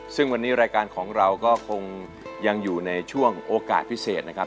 ซึ่งวันนี้รายการของเราก็คงยังอยู่ในช่วงโอกาสพิเศษนะครับ